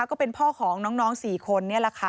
ก็เป็นพ่อของน้องสี่คน